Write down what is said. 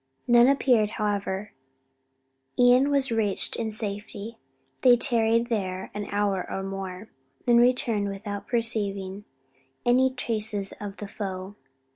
None appeared, however; Ion was reached in safety, they tarried there an hour or more, then returned without perceiving any traces of the foe.